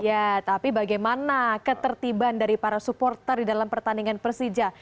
ya tapi bagaimana ketertiban dari para supporter di dalam pertandingan persija